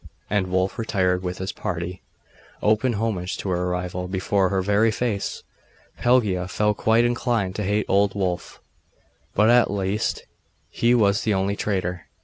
And Wulf retired with his party. Open homage to her rival, before her very face! Pelagia felt quite inclined to hate old Wulf. But at least he was the only traitor.